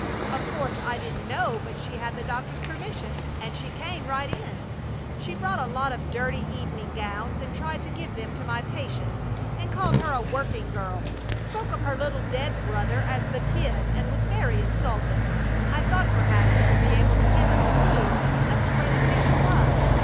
Of course I didn't know but she had the doctor's permission, and she came right in. She brought a lot of dirty evening gowns and tried to give them to my patient, and called her a working girl; spoke of her little dead brother as 'the kid,' and was very insulting. I thought perhaps you would be able to give us a clue as to where the patient was.